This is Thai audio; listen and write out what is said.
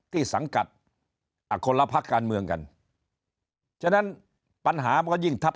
สังกัดอ่ะคนละพักการเมืองกันฉะนั้นปัญหามันก็ยิ่งทับ